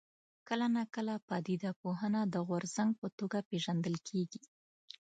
کله ناکله پدیده پوهنه د غورځنګ په توګه پېژندل کېږي.